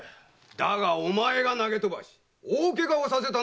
だがお前が投げ飛ばし大ケガをさせたのは事実。